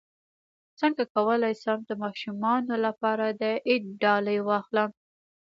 څنګه کولی شم د ماشومانو لپاره د عید ډالۍ واخلم